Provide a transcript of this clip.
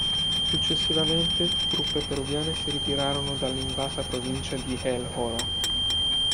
Successivamente, truppe peruviane si ritirarono dall'invasa provincia di El Oro.